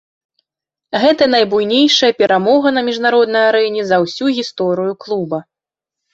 Гэта найбуйнейшая перамога на міжнароднай арэне за ўсю гісторыю клуба.